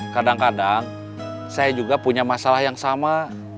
kadang kadang saya juga punya masalah yang sama